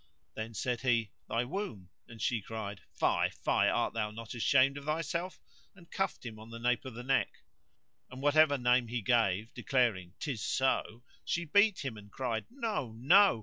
Then said he, "Thy womb;" and she cried, "Fie, Fie! art thou not ashamed of thyself?" and cuffed him on the nape of the neck. And whatever name he gave declaring " 'Tis so," she beat him and cried "No! no!"